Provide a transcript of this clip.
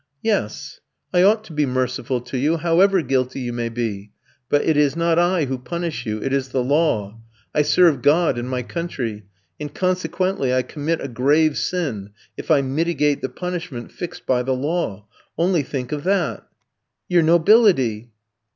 "Yes, I ought to be merciful to you however guilty you may be. But it is not I who punish you, it is the law. I serve God and my country, and consequently I commit a grave sin if I mitigate the punishment fixed by the law. Only think of that!" "Your nobility!"